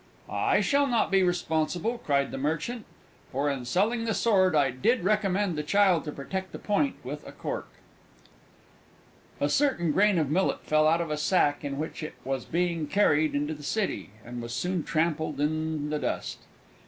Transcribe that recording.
"I shall not be responsible," cried the Merchant, "for, in selling the sword, I did recommend the child to protect the point with a cork!" A certain grain of Millet fell out of a sack in which it was being carried into the City, and was soon trampled in the dust.